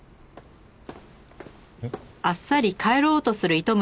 えっ？